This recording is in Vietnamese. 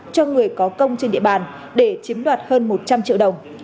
cho người có công trên địa bàn để chiếm đoạt hơn một trăm linh triệu đồng